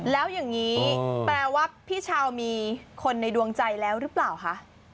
แล้วอย่างนี้แปลว่าพี่เช้ามีคนในดวงใจแล้วหรือเปล่าคะ